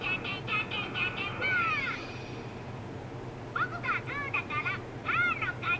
ボクがグーだからパーの勝ち。